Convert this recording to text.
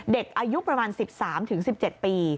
เด็กอายุประมาณ๑๓๑๗ปี